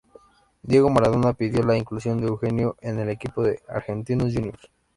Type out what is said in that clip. Diego Maradona pidió la inclusión de Eugenio en el equipo de Argentinos Juniors.